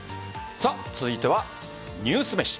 続いてはニュースめし。